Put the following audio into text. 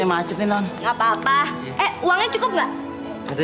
eh uangnya cukup gak